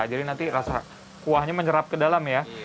jadi nanti rasa kuahnya menyerap ke dalam ya